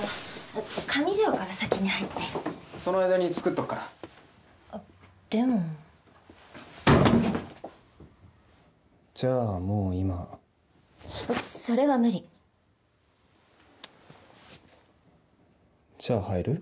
上条から先に入ってその間に作っとくからあっでもじゃあもう今それは無理じゃあ入る？